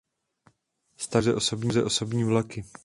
Staví zde pouze osobní vlaky.